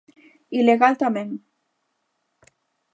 Ilegal, tamén.